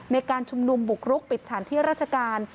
ในการชุมนุมบุกรุกปิดสถานที่ราชการ